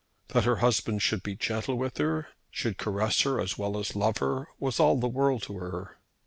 That her husband should be gentle with her, should caress her as well as love her, was all the world to her.